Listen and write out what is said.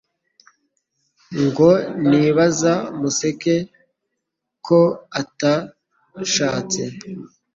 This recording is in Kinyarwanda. ngo ntibaza museke ko atashatse